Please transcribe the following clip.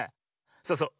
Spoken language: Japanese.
そうそう。